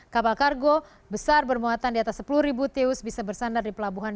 kapal kargo besar bermuatan di atas sepuluh ribu teus bisa bersandar di pelabuhan